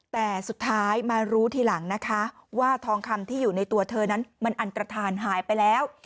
แต่สุดท้ายมารู้ทีหลังนะคะว่าทองคำที่อยู่ในตัวเธอนั้นมันอันตรฐานหายไปแล้ว